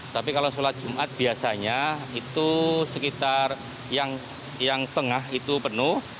tapi kalau sholat jumat biasanya itu sekitar yang tengah itu penuh